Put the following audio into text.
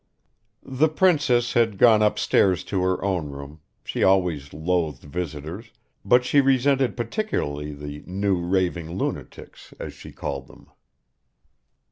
The princess had gone upstairs to her own room; she always loathed visitors, but she resented particularly the "new raving lunatics," as she called them.